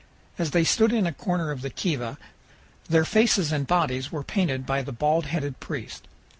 As they stood in a corner of the kiva their faces and bodies were painted by the bald headed priest.